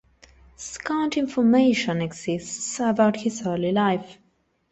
Scant information exists about his early life.